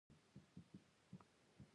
ذهن کې انځور کول دې ته وايي چې هغه څه راولئ.